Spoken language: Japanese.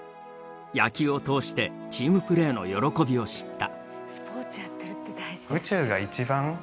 野球を通してチームプレーの喜びを知った。